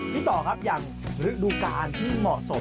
ต่อครับอย่างฤดูกาลที่เหมาะสม